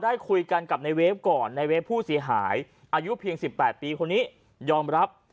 ได้คุยกันกับในเวฟก่อนในเฟฟผู้เสียหายอายุเพียง๑๘ปีคนนี้ยอมรับ